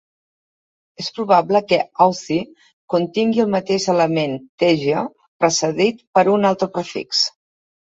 És probable que Authie contingui el mateix element "tegia" precedit per un altre prefix.